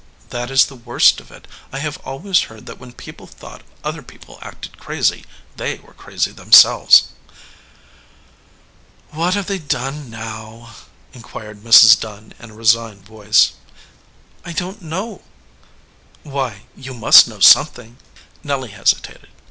That is the worst of it. I have always heard that when people thought other peo ple acted crazy, they were crazy themselves." "What have they done now?" inquired Mrs. Dunn in a resigned voice. "I don t know." "Why, you must know something." Nelly hesitated.